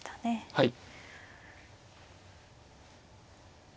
はい。